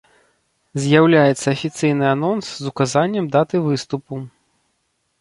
З'яўляецца афіцыйны анонс з указаннем даты выступу.